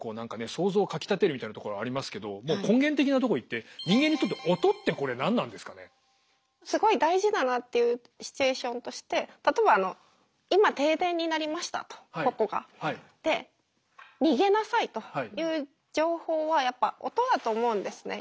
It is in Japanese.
想像をかきたてるみたいなところありますけどもう根源的なとこいってすごい大事だなっていうシチュエーションとして例えば今停電になりましたとここが。で逃げなさいという情報はやっぱ音だと思うんですね